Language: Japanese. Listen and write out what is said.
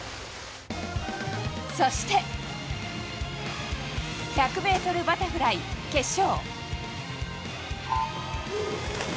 そして、１００ｍバタフライ決勝。